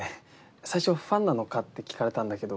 最初ファンなのかって聞かれたんだけど。